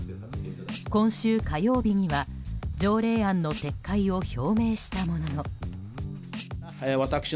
今週火曜日には、条例案の撤回を表明したものの。